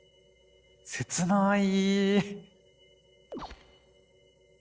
切ない！